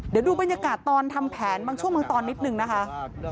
เดี๋ยวดูบรรยากาศตอนทำแผนบางช่วงบางตอนนิดนึงนะคะ